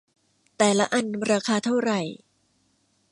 แต่ละอันราคาเท่าไหร่ ?